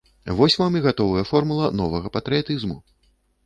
Вось вам і гатовая формула новага патрыятызму.